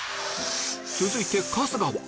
続いて春日は